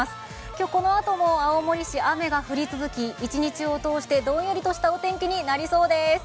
今日このあとの青森、雨が降り続き一日を通してどんよりとしたお天気になりそうです。